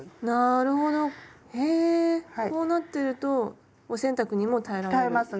なるほど。へこうなってるとお洗濯にも耐えられる？